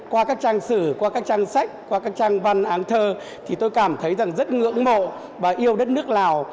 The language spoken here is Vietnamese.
qua các trang sử qua các trang sách qua các trang văn áng thơ thì tôi cảm thấy rằng rất ngưỡng mộ và yêu đất nước lào